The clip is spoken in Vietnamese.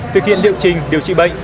thực hiện liệu trình điều trị bệnh